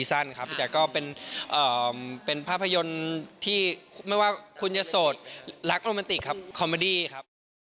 แต่ก็เป็นภาพยนตร์ที่ไม่ว่าคุณจะโสดรักโรแมนติกครับคอมเมดี้ครับ